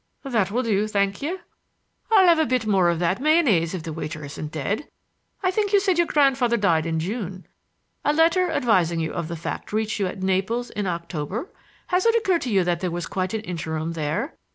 "That will do, thank you. I'll have a bit more of that mayonnaise if the waiter isn't dead. I think you said your grandfather died in June. A letter advising you of the fact reached you at Naples in October. Has it occurred to you that there was quite an interim there?